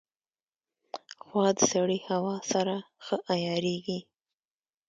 غوا د سړې هوا سره ښه عیارېږي.